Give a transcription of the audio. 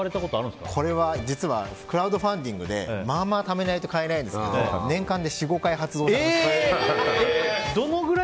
これは実はクラウドファンディングでまあまあためないと買えないんですが年間で４５回使われてます。